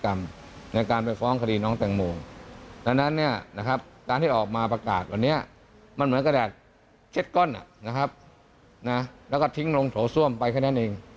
มันเหมือนกระดาษเช็ดก้อนนะครับแล้วก็ทิ้งลงโถส้วมไปแค่นั้นเอง